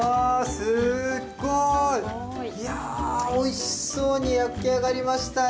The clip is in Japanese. すごい！いやおいしそうに焼き上がりましたね。